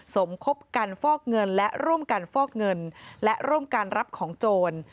สมคบกันฟอกเงินและร่วมกันฟอกเงินและร่วมการรับของโจร